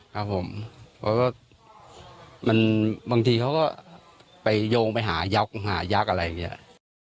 ครับผมมันบางทีเขาก็ไปโยงไปหายักษ์อะไรอย่างนี้อะ